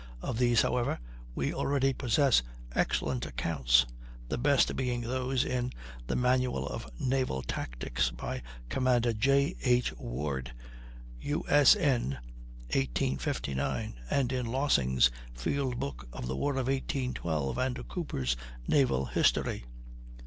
Of these, however, we already possess excellent accounts, the best being those in the "Manual of Naval Tactics," by Commander J. H. Ward, U. S. N. (1859), and in Lossing's "Field Book of the War of 1812," and Cooper's "Naval History."